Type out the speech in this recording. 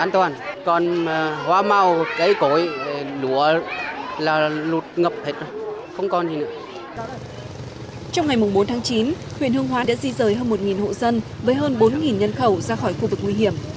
trong ngày bốn tháng chín huyện hương hóa đã di rời hơn một hộ dân với hơn bốn nhân khẩu ra khỏi khu vực nguy hiểm